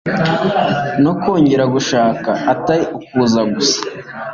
no kongera gushaka atari ukuza gusa